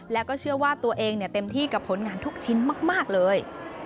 แล้วก็เชื่อว่าตัวเองเต็มที่กับผลงานทุกชิ้นมากเลย